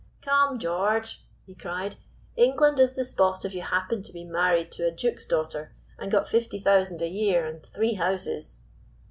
"Come, George," he cried, "England is the spot if you happen to be married to a duke's daughter, and got fifty thousand a year and three houses.